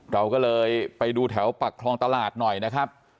เราก็เลยไปดูแถวปากคลองตลาดหน่อยนะครับ